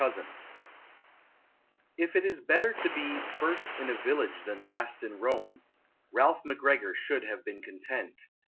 Plunke F it is better to be " first in a village than last in Rome," Ralph McGregor should have been content.